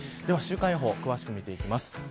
では、週間予報詳しく見ていきます。